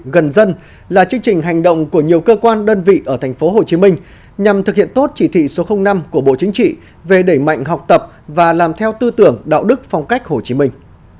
gần dân là chương trình hành động của nhiều cơ quan đơn vị ở tp hcm nhằm thực hiện tốt chỉ thị số năm của bộ chính trị về đẩy mạnh học tập và làm theo tư tưởng đạo đức phong cách hồ chí minh